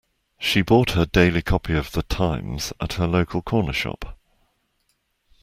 She bought her daily copy of The Times at her local corner shop